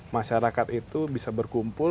masyarakat itu bisa berkumpul